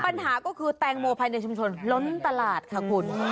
ปัญหาก็คือแตงโมภายในชุมชนล้นตลาดค่ะคุณ